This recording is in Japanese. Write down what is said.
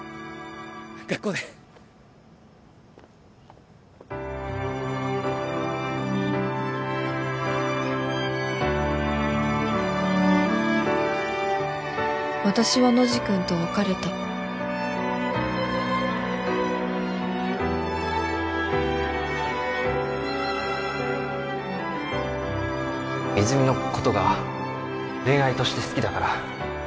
学校で私はノジ君と別れた泉のことが恋愛として好きだから